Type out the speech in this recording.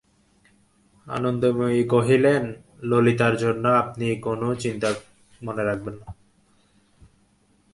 আনন্দময়ী কহিলেন, ললিতার জন্যে আপনি কোনো চিন্তা মনে রাখবেন না।